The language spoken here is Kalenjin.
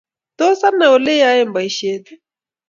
Tos anai oleyae boishiet?